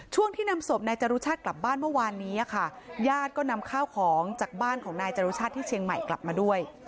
ช่วงที่นำศพนายจรุชาติกลับบ้านเมื่อวานนี้ค่ะญาติก็นำข้าวของจากบ้านของนายจรุชาติที่เชียงใหม่กลับมาด้วย